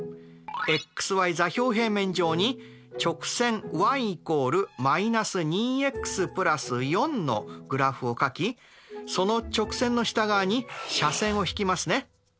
ｘｙ座標平面上に直線ｙ＝−２ｘ＋４のグラフを書きその直線の下側に斜線を引きますね。